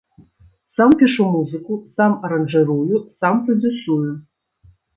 Сам пішу музыку, сам аранжырую, сам прадзюсую.